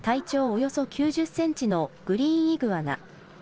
およそ９０センチのグリーンイグアナ。